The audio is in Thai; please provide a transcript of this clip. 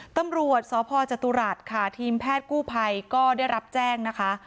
ตำรวจสพจตุรัสค่ะทีมแพทย์กู้ภัยก็ได้รับแจ้งนะคะ